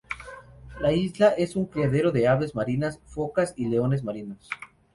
La isla es un criadero de aves marinas, focas y leones marinos.